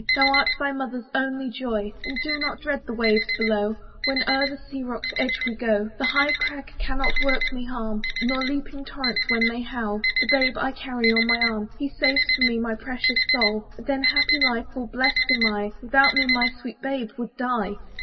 Thou art thy mother's only joy; And do not dread the waves below, When o'er the sea rock's edge we go; The high crag cannot work me harm, Nor leaping torrents when they howl; The babe I carry on my arm, He saves for me my precious soul; Then happy lie, for blest am I; Without me my sweet babe would die.